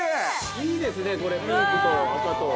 ◆いいですね、これ、ピンクと赤と。